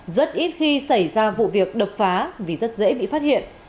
rất ít khi xảy ra vụ việc đập phá vì rất dễ bị phát hiện